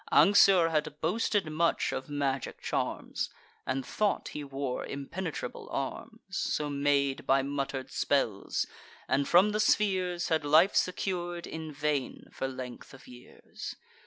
Anxur had boasted much of magic charms, And thought he wore impenetrable arms, So made by mutter'd spells; and, from the spheres, Had life secur'd, in vain, for length of years.